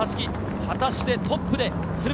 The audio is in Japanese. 果たしてトップで鶴見